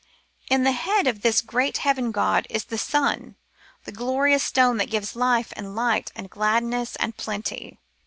In the head of this great heaven god is the sun, the glorious stone that gives life and light and gladness and plenty.